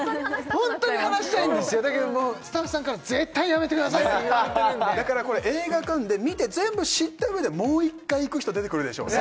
ホントに話したいんですよだけどもうスタッフさんから絶対やめてくださいって言われてるんでだからこれ映画館で見て全部知ったうえでもう一回行く人出てくるでしょうね